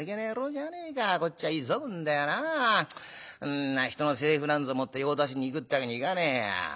んな人の財布なんぞ持って用足しに行くってわけにいかねえや。